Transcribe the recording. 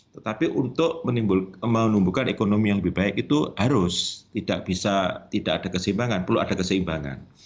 tetapi untuk menumbuhkan ekonomi yang lebih baik itu harus tidak bisa tidak ada keseimbangan perlu ada keseimbangan